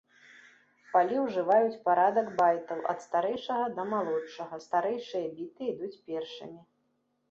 Палі ўжываюць парадак байтаў ад старэйшага да малодшага, старэйшыя біты ідуць першымі.